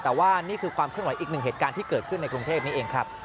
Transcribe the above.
แต่ว่านี่คืออีกหนึ่งเหตุการณ์ที่เกิดขึ้นในกรุงเทพนี้ไอนี้ครับ